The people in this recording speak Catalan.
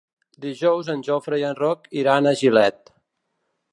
Dijous en Jofre i en Roc iran a Gilet.